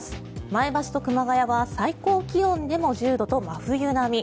前橋と熊谷は最高気温でも１０度と真冬並み。